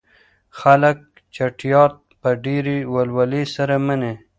خلګ چټیات په ډیرې ولولې سره مني.